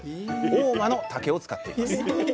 合馬の竹を使っています